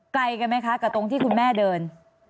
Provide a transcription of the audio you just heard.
ไกลกันไหมคะกับตรงที่คุณแม่เดิน